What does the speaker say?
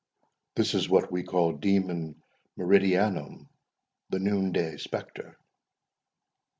This is what we call Demon Meridianum—the noon day spectre."